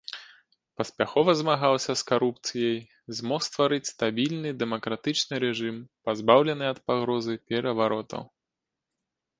Паспяхова змагаўся з карупцыяй, змог стварыць стабільны дэмакратычны рэжым, пазбаўлены ад пагрозы пераваротаў.